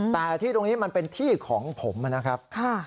แต่ที่ตรงนี้มันเป็นที่ของผมนะครับ